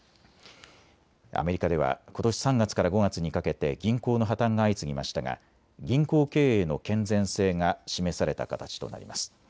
アメリカでは、ことし３月から５月にかけて銀行の破綻が相次ぎましたが銀行経営の健全性が示された形となります。